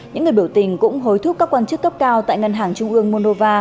những người biểu tình cũng hối thúc các quan chức cấp cao tại ngân hàng trung ương monova